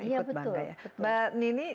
ikut bangga ya mbak nidhi